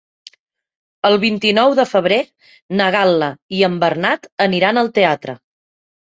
El vint-i-nou de febrer na Gal·la i en Bernat aniran al teatre.